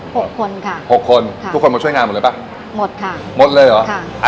หกคนค่ะหกคนค่ะทุกคนมาช่วยงานหมดเลยป่ะหมดค่ะหมดเลยเหรอค่ะ